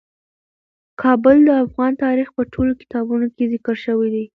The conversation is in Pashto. کابل د افغان تاریخ په ټولو کتابونو کې ذکر شوی دی.